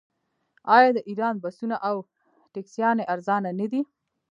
آیا د ایران بسونه او ټکسیانې ارزانه نه دي؟